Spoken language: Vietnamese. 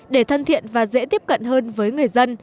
để thân thiện và dễ tiếp cận hơn với người dân